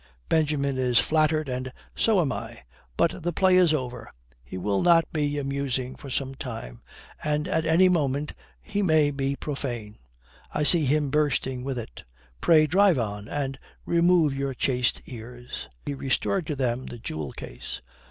Benjamin is flattered and so am I. But the play is over. He will not be amusing for some time, and at any moment he may be profane. I see him bursting with it. Pray drive on and remove your chaste ears." He restored to them the jewel case.